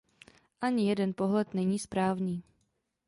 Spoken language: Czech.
Ani jeden pohled není správný.